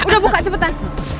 udah buka cepetan